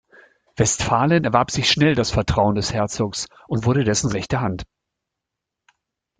Westphalen erwarb sich schnell das Vertrauen des Herzogs und wurde dessen rechte Hand.